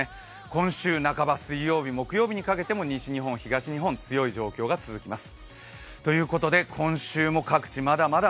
今週半ば、水曜日、木曜日にも西日本、東日本、強い状況が続きます。